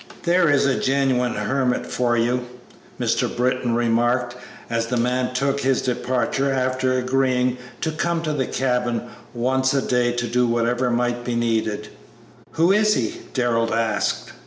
"There is a genuine hermit for you," Mr. Britton remarked, as the man took his departure after agreeing to come to the cabin once a day to do whatever might be needed. "Who is he?" Darrell asked.